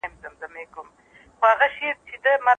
که تاسي هڅه ونه کړئ، هېواد نه جوړېږي.